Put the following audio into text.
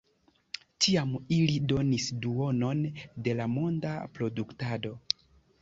Tiam ili donis duonon de la monda produktado.